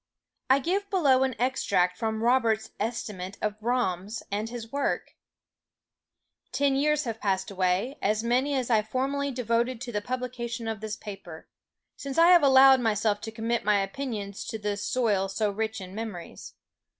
I give below an extract from Robert's estimate of Brahms and his work: Ten years have passed away, as many as I formerly devoted to the publication of this paper since I have allowed myself to commit my opinions to this soil so rich in memories.